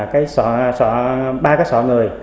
ba cái sọ người